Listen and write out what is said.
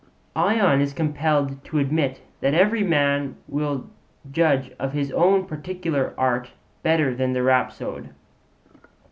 Ion is compelled to admit that every man will judge of his own particular art better than the rhapsode.